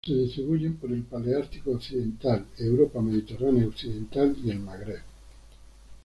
Se distribuyen por el Paleártico occidental: Europa mediterránea occidental y el Magreb.